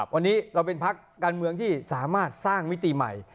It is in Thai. วันนี้เราเป็นพักการเมืองที่สามารถสร้างมิติใหม่